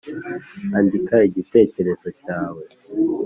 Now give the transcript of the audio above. Andika igitekerezo cyawe